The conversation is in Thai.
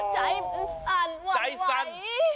ใจสั่น